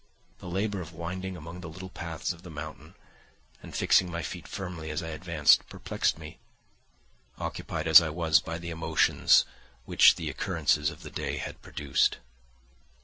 The labour of winding among the little paths of the mountain and fixing my feet firmly as I advanced perplexed me, occupied as I was by the emotions which the occurrences of the day had produced.